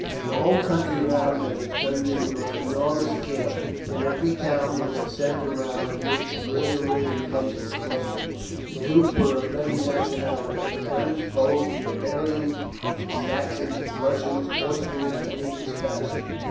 The whole country round had been turned into an enormous camp, and every town was the centre round which a great array of tents was clustered. The troops were of many nationalities French, Poles, Bavarians, Saxons, Prussians, Austrians, and even Spanish.